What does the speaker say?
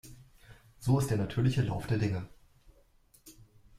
So ist der natürliche Lauf der Dinge.